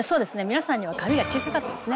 皆さんには紙が小さかったですね。